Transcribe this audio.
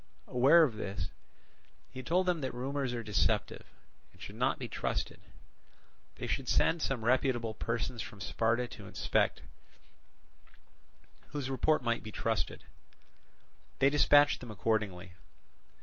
Aware of this, he told them that rumours are deceptive, and should not be trusted; they should send some reputable persons from Sparta to inspect, whose report might be trusted. They dispatched them accordingly.